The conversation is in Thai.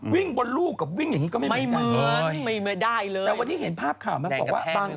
วิ่งบนรูกวิ่งอย่างนี้ก็ไม่เหมือนกันแต่วันนี้เห็นภาพข่าวมาบอกว่า